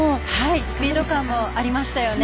スピード感もありましたよね。